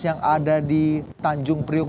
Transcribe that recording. yang ada di tanjung priuk